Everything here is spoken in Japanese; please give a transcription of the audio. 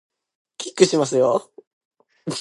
キックしますよ